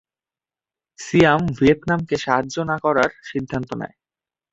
সিয়াম ভিয়েতনামকে সাহায্য না করার সিদ্ধান্ত নেয়।